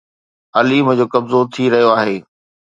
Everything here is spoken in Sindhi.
عليم جو قبضو ٿي رهيو آهي